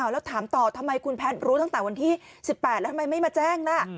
แล้วถามต่อทำไมคุณแพทย์รู้ตั้งแต่วันที่๑๘แล้วทำไมไม่มาแจ้งล่ะ